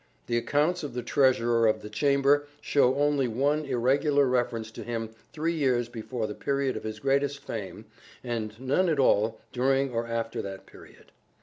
The accounts of the Treasurer of the Chamber show only one irregular reference to him three years before the period of his greatest fame, and none at all during or after that period.